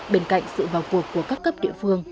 bên cạnh sự vào cuộc của các cấp địa phương